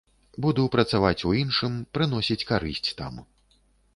Буду працаваць у іншым, прыносіць карысць там.